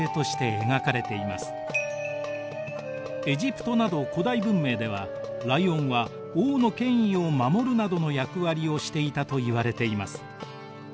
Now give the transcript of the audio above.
エジプトなど古代文明ではライオンは王の権威を守るなどの役割をしていたといわれています。